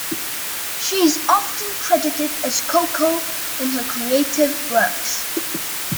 She is often credited as Coco in her creative works.